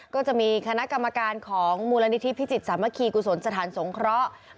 ก็จะมีคณะกรรมการของมูลนิธิพิจิตรสามัคคีกุศลสถานสงเคราะห์